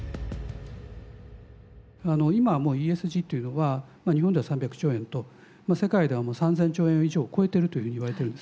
今はもうＥＳＧというのは日本では３００兆円と世界では３，０００兆円以上を超えているというふうにいわれてるんですね。